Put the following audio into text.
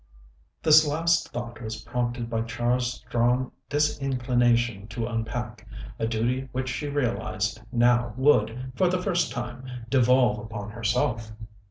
This last thought was prompted by Char's strong disinclination to unpack, a duty which she realized now would, for the first time, devolve upon herself.